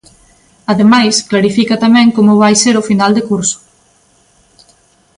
Ademais, clarifica tamén como vai ser o final de curso.